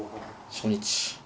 初日。